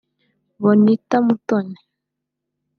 Bonita Mutoni